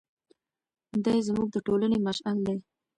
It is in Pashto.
دی زموږ د ټولنې مشعل دی.